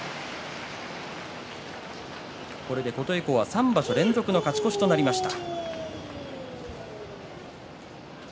琴恵光は３場所連続の勝ち越しとなりました。